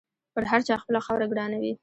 پر هر چا خپله خاوره ګرانه وي.